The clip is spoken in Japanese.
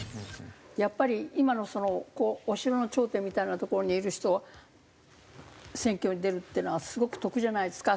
やっぱり今のそのお城の頂点みたいな所にいる人は選挙に出るっていうのはすごく得じゃないですか。